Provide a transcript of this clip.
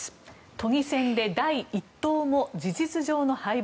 都議選で第１党も事実上の敗北。